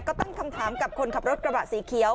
ก็ตั้งคำถามกับคนขับรถกระบะสีเขียว